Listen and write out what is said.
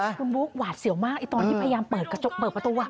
คุณบุ๊คหวาดเสียวมากตอนที่พยายามเปิดประตู